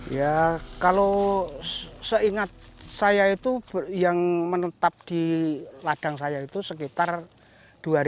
ya kalau seingat saya itu yang menetap di ladang saya itu sekitar dua ratus